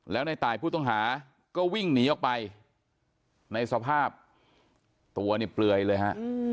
แล้วในตายผู้ต้องหาก็วิ่งหนีออกไปในสภาพตัวนี่เปลือยเลยฮะ